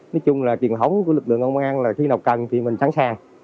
nói chung là truyền thống của lực lượng công an là khi nào cần thì mình sẵn sàng